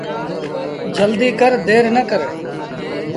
جلديٚ ڪر دير نا ڪر۔